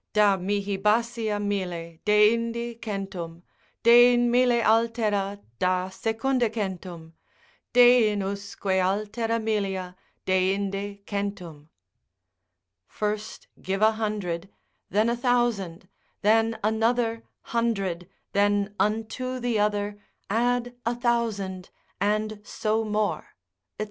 Da mihi basia mille, deindi centum, Dein mille altera, da secunda centum, Dein usque altera millia, deinde centum. ———first give a hundred, Then a thousand, then another Hundred, then unto the other Add a thousand, and so more, &c.